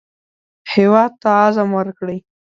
هېواد ته عزم ورکړئ